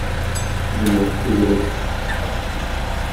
Дөньясы түгәрәк.